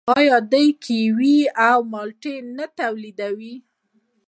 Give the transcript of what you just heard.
آیا دوی کیوي او مالټې نه تولیدوي؟